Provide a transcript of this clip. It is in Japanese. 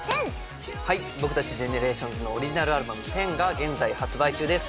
僕たちＧＥＮＥＲＡＴＩＯＮＳのオリジナルアルバム『Ⅹ』が現在発売中です。